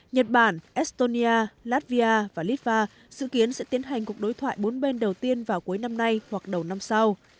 nhật bản estonia latvia và litva dự kiến sẽ tiến hành cuộc đối thoại bốn bên đầu tiên vào cuối năm nay hoặc đầu năm sau